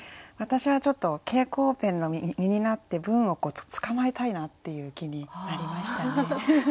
私はちょっと蛍光ペンの身になって文を捕まえたいなっていう気になりましたね。